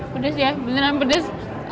pedas ya beneran pedas